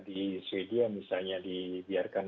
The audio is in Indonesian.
di swedia misalnya dibiarkan